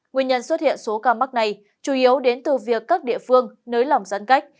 nguyên nhân xuất hiện số ca mắc này chủ yếu đến từ việc các địa phương nới lỏng giãn cách